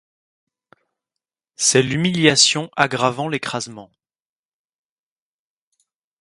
C’est l’humiliation aggravant l’écrasement.